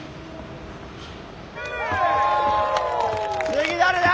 次誰だ？